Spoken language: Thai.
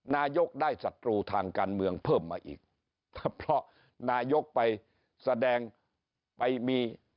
นายกได้ศัตรูทางการเมืองเพิ่มมาอีกเพราะนายกไปแสดงไปมี